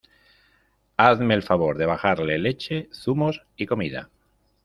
hazme el favor de bajarle leche, zumos y comida